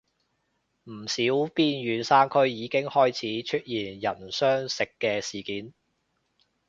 唔少邊遠山區已經開始出現人相食嘅事情